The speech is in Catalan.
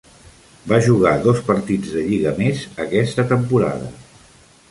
Va jugar dos partits de lliga més aquesta temporada.